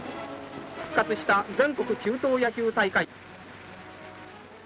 復活した全国中等野球大会。